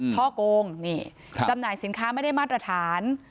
ช่อกงนี่จำหน่ายสินค้าไม่ได้มาตรฐาน